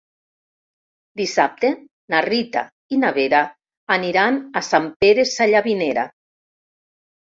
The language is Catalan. Dissabte na Rita i na Vera aniran a Sant Pere Sallavinera.